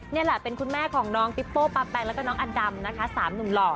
นี่แหละเป็นคุณแม่ของน้องปิโป้ป๊าแปงแล้วก็น้องอดำนะคะ๓หนุ่มหล่อ